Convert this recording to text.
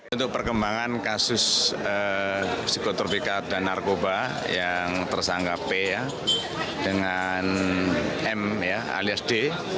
untuk perkembangan kasus psikotropika dan narkoba yang tersangka p dengan m ya alias d